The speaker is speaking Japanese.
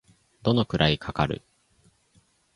どのくらいかかる